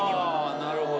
なるほど。